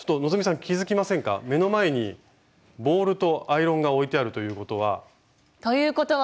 目の前にボウルとアイロンが置いてあるということは。ということは。